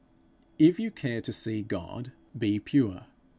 If you care to see God, be pure.